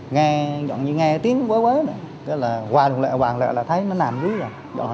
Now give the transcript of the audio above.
nghe như nghe tiếng quấy quấy hoa lụng lệ hoa lụng lệ là thấy nó nằm dưới rồi